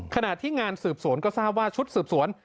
ขณะที่งานสืบสวนก็ทราบว่าชุดสืบสวน